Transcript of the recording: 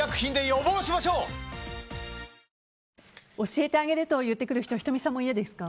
教えてあげる！と言ってくる人仁美さんも嫌ですか？